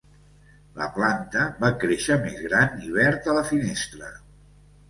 La planta va créixer més gran i verd a la finestra.